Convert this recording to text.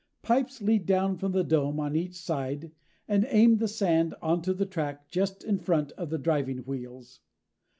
Pipes lead down from the dome on each side and aim the sand onto the track just in front of the driving wheels.